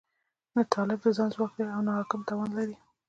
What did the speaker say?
نه طالب د ځان واک لري او نه حاکمان توان لري.